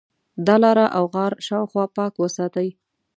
د ا لاره او غار شاوخوا پاک وساتئ.